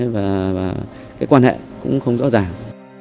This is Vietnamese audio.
và cái quan hệ cũng không rõ ràng